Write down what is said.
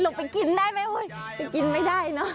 ลงไปกินได้มั้ยโอ๊ยไม่ได้เนอะ